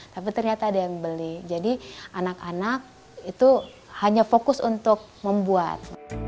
tapi ternyata ada yang beli jadi anak anak itu hanya fokus untuk membuat